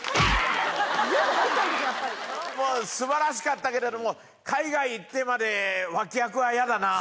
もう素晴らしかったけれども海外行ってまで脇役は嫌だなと。